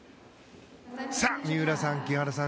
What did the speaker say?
三浦さん、木原さん